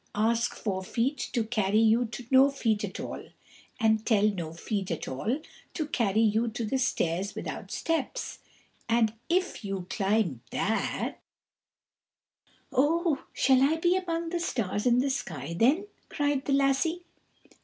Ask Four Feet to carry you to No Feet at all, and tell No Feet at all to carry you to the stairs without steps, and if you can climb that " "Oh, shall I be among the stars in the sky then?" cried the lassie.